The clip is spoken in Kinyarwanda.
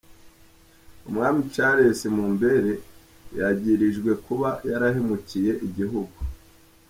Umwami Charles Mumbere, yagirijwe kuba yarahemukiye igihugu.